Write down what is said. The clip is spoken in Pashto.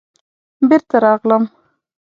بېرته راغلم.